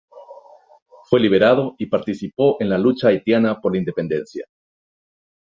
Fue liberado y participó en la lucha haitiana por la independencia.